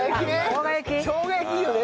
しょうが焼きね！